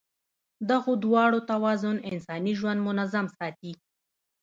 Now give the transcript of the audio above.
د دغو دواړو توازن انساني ژوند منظم ساتي.